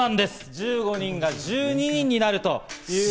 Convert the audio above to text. １５人が１２人になる。